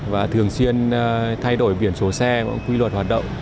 và thường xuyên thay đổi biển số xe quy luật hoạt động